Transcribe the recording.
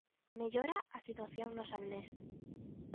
Mellora a situación no Salnés.